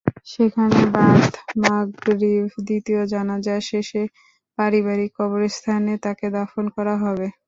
সেখানে বাদ মাগরিব দ্বিতীয় জানাজা শেষে পারিবারিক কবরস্থানে তাঁকে দাফন করা হবে।